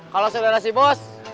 kalau saudara si bos